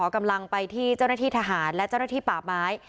กำลังไปที่เจ้าหน้าที่ทหารและเจ้าหน้าที่ป่าไม้